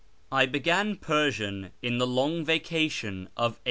I becran Persian in the Long Vacation of 1880.